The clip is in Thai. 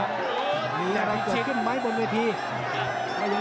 กาดเกมสีแดงเดินแบ่งมูธรุด้วย